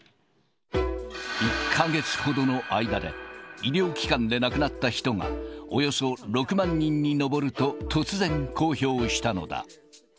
１か月ほどの間で、医療機関で亡くなった人がおよそ６万人に上ると突然、公表したのだ。